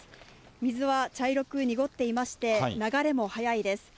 水は茶色く濁っていまして、流れも速いです。